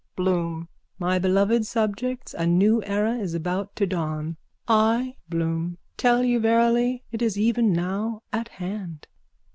BLOOM: My beloved subjects, a new era is about to dawn. I, Bloom, tell you verily it is even now at hand.